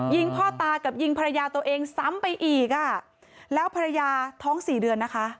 ยิงพ่อตากับยิงภรรยาตัวเองซ้ำไปอีกอ่ะแล้วภรรยาท้องสี่เดือนนะคะ